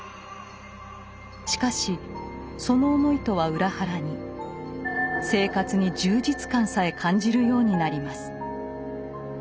しかしその思いとは裏腹に生活に充実感さえ感じるようになります。